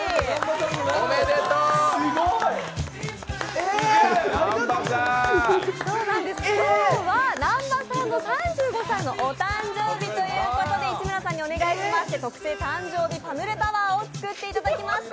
すごい。今日は南波さんの３５歳のお誕生帯ということで市村さんにお願いしまして特製誕生日パヌレタワーを作っていただきました。